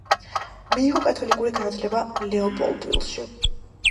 მიიღო კათოლიკური განათლება ლეოპოლდვილში.